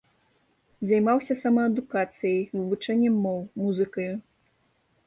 Займаўся самаадукацыяй, вывучэннем моў, музыкаю.